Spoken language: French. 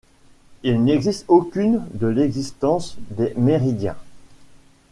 Il n'existe aucune de l'existence des méridiens.